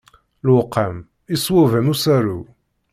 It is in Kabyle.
Lewqam iṣweb am usaru.